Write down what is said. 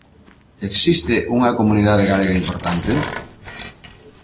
Existe unha comunidade galega importante?